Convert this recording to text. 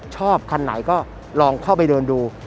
ชอบคันไหนก็ลองเข้าไปเดินดู